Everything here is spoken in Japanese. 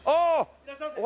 いらっしゃいませ。